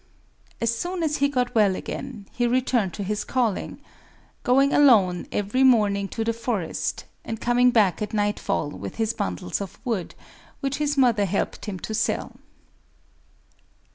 As soon as he got well again, he returned to his calling,—going alone every morning to the forest, and coming back at nightfall with his bundles of wood, which his mother helped him to sell.